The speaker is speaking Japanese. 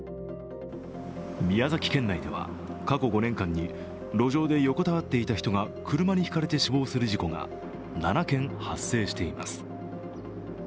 宮崎県内では、過去５年間に路上で横たわっていた人が車にひかれて死亡する事故が７件発生しています。